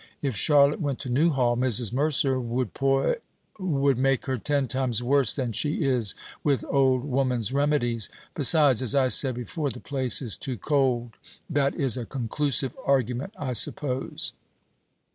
If Charlotte went to Newhall, Mrs. Mercer would poi would make her ten times worse than she is with old woman's remedies. Besides, as I said before, the place is too cold. That is a conclusive argument, I suppose?"